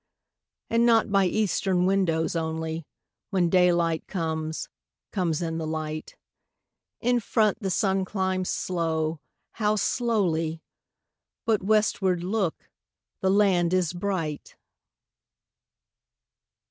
And not by eastern windows only, When daylight comes, comes in the light; In front the sun climbs slow, how slowly! But westward, look, the land is bright!